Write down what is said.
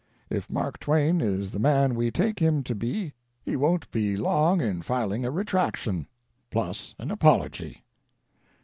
If Mark Twain is the man we take him to be he won't be long in filing a retraction, plus an apology."